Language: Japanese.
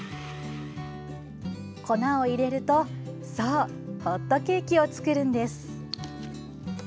粉を入れるとそう、ホットケーキを作るんです。